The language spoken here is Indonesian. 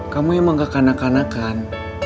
kamu emang gak kanak kanakan